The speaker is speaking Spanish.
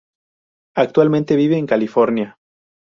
Actualmente viven en California.